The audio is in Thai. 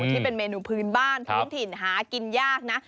ที่เป็นเมนูพื้นบ้านพื้นถิ่นหากินยากนะ